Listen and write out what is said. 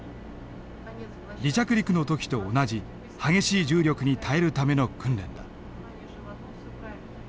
離着陸の時と同じ激しい重力に耐えるための訓練だ。